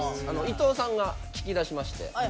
伊藤さんが聞きだしまして。